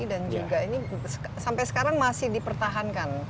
dan juga ini sampai sekarang masih dipertahankan